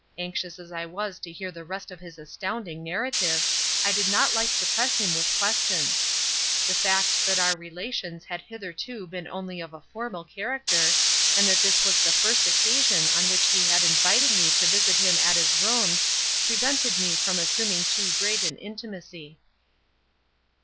Anxious as I was to hear the rest of his astounding narrative, I did not like to press him with questions. The fact that our relations had hitherto been only of a formal character, and that this was the first occasion on which he had invited me to visit him at his rooms, prevented me from assuming too great an intimacy.